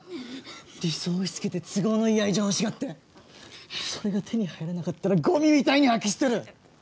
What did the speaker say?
理想を押しつけて都合のいい愛情を欲しがってそれが手に入らなかったらゴミみたいに吐き捨てる！